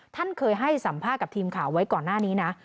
ท่านเคยให้สัมภาษณ์กับทีมข่าวไว้ก่อนหน้านี้นะ